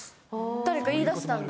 だれか言いだしたんだ。